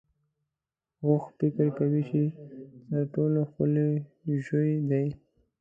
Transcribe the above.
اوښ فکر کوي چې تر ټولو ښکلی ژوی دی.